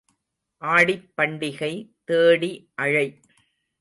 ஆடிப் பண்டிகை தேடி அழை.